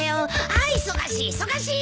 ああ忙しい忙しい！